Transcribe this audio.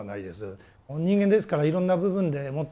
人間ですからいろんな部分でもって病も出る。